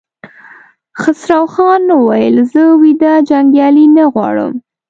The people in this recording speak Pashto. خسروخان وويل: زه ويده جنګيالي نه غواړم!